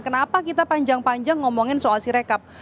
kenapa kita panjang panjang ngomongin soal sirekap